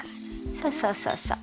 そうそうそうそう。